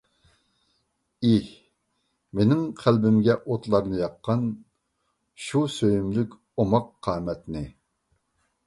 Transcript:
ئېھ، مېنىڭ قەلبىمگە ئوتلارنى ياققان، شۇ سۆيۈملۈك ئوماق قامەتنى.